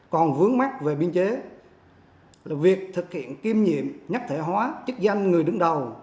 còn vướng mắt về biên chế là việc thực hiện kiêm nhiệm nhắc thể hóa chức danh người đứng đầu